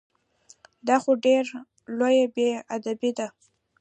دا خو ډېره لویه بې ادبي ده!